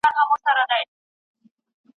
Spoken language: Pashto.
هغه نظام چي په کنټرول کي وي دوام کوي.